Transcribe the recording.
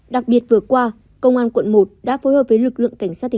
đặc biệt vừa qua công an quận một đã phối hợp với lực lượng cảnh sát hình